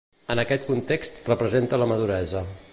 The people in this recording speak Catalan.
En aquest context representa la maduresa.